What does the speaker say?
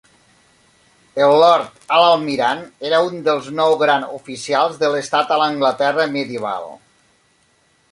El Lord Alt Almirall era un dels nou Gran Oficials de l'Estat a l'Anglaterra Medieval.